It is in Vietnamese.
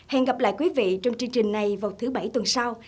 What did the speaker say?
hẹn gặp lại quý vị trong chương trình này vào thứ bảy tuần sau